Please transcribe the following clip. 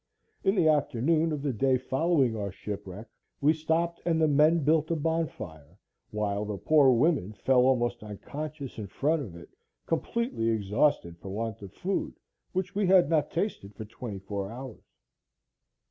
In the afternoon of the day following our shipwreck, we stopped and the men built a bonfire, while the poor women fell almost unconscious in front of it, completely exhausted for want of food, which we had not tasted for twenty four hours.